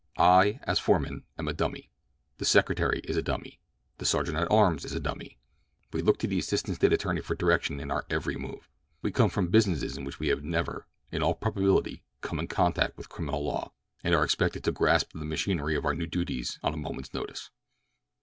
"I, as foreman, am a dummy; the secretary is a dummy; the sergeant at arms is a dummy. We look to the assistant State attorney for direction in our every move. We come from businesses in which we have never, in all probability, come in contact with criminal law, and we are expected to grasp the machinery of our new duties on a moment's notice.